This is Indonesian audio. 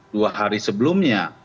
dua hari sebelumnya